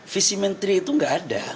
visi menteri itu nggak ada